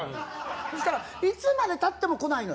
そしたら、いつまで経っても来ないの。